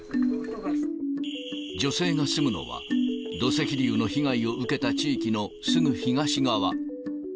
女性が住むのは、土石流の被害を受けた地域のすぐ東側。